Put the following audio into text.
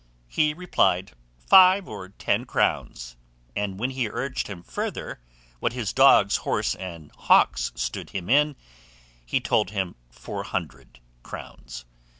He replied, Five or ten crowns; and when he urged him further, what his dogs, horse, and hawks stood him in, he told him four hundred crowns.